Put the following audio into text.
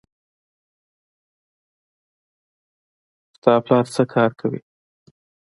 د تا پلار څه کار کوی